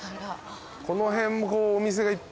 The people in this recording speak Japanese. この辺もこうお店がいっぱい。